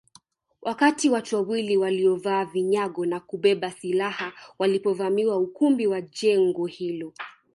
Wakati watu wawili waliovaa vinyago na kubeba silaha walipovamia ukumbi wa jengo hilo